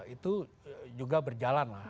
itu juga berjalan lah